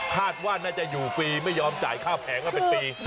คาดว่าน่าจะอยู่ฟรีไม่ยอมจ่ายค่าแผงมาเป็นปี